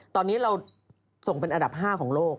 ตอนนี้เราส่งเป็นอันดับ๕ของโลก